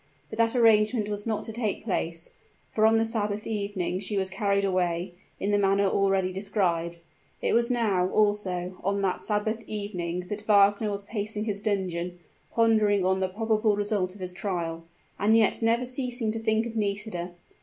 But that arrangement was not to take place; for on the Sabbath evening she was carried away, in the manner already described. And it was now, also, on that Sabbath evening that Wagner was pacing his dungeon pondering on the probable result of his trial, and yet never ceasing to think of Nisida.